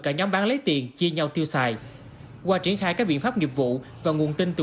cả nhóm bán lấy tiền chia nhau tiêu xài qua triển khai các biện pháp nghiệp vụ và nguồn tin từ